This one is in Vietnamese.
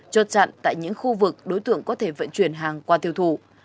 cho chặn tại những khu vực đối tượng có thể vận chuyển hàng qua thiêu thủ